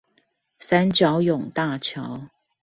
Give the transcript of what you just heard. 三角湧大橋